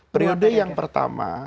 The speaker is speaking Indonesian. periode yang pertama